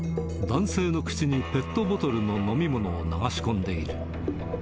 男性の口にペットボトルの飲み物を流し込んでいる。